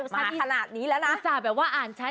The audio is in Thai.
มาขนาดนี้แล้วนะ